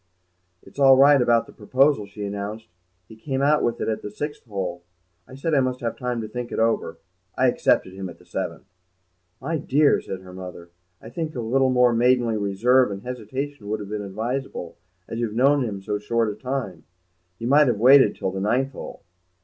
"It's all right about the proposal," she announced; "he came out with it at the sixth hole. I said I must have time to think it over. I accepted him at the seventh." "My dear," said her mother, "I think a little more maidenly reserve and hesitation would have been advisable, as you've known him so short a time. You might have waited till the ninth hole."